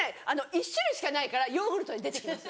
１種類しかないから「ヨーグルト」で出てきます。